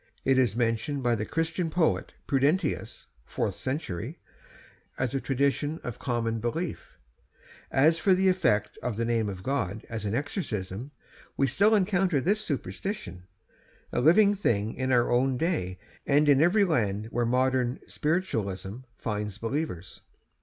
It is mentioned by the Christian poet Prudentius (fourth century) as a tradition of common belief. As for the effect of the name of God as an exorcism, we still encounter this superstition, a living thing in our own day, and in every land where modern 'spiritualism' finds believers.